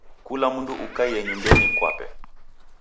Kula mndu ukaie nyumbenyi kwape.